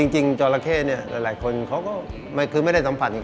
จริงจราเข้หลายคนเขาก็ไม่ได้สัมผัส